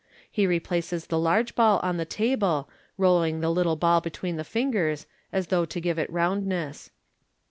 He replaces the large ball on the table, rolling the little ball between the fingers, as though to give it roundness.